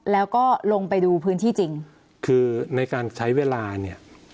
แล้วก็ลงไปดูพื้นที่จริงคือในการใช้เวลาเนี่ย